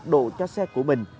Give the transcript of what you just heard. độ cho xe của mình